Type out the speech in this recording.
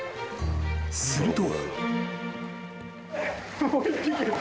［すると］